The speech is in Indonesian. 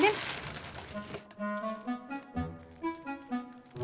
setamanya buat kamu